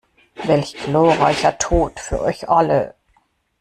Welch gloreicher Tot für euch alle!